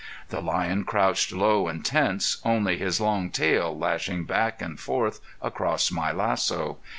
The lion crouched low and tense, only his long tail lashing back and forth across my lasso.